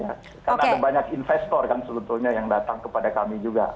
karena ada banyak investor kan sebetulnya yang datang kepada kami juga